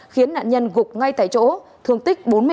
khiến nạn nhân gục ngay tại chỗ thương tích bốn mươi năm